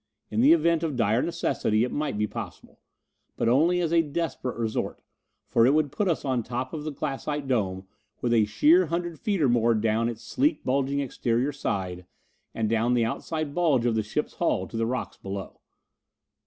In the event of dire necessity it might be possible. But only as a desperate resort, for it would put us on the top of the glassite dome, with a sheer hundred feet or more down its sleek bulging exterior side, and down the outside bulge of the ship's hull, to the rocks below.